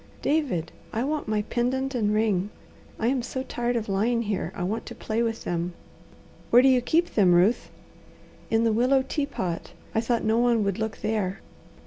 "David, I want my pendant and ring. I am so tired of lying here, I want to play with them." "Where do you keep them, Ruth?" "In the willow teapot. I thought no one would look there."